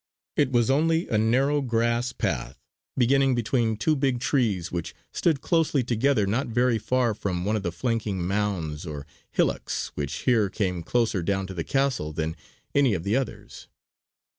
It was only a narrow grass path, beginning between two big trees which stood closely together not very far from one of the flanking mounds or hillocks which here came closer down to the castle than any of the others.